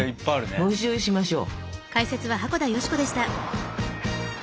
募集しましょう。